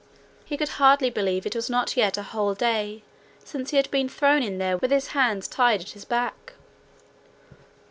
He could hardly believe it was not yet a whole day since he had been thrown in there with his hands tied at his back.